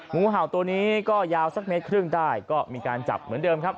งูเห่าตัวนี้ก็ยาวสักเมตรครึ่งได้ก็มีการจับเหมือนเดิมครับ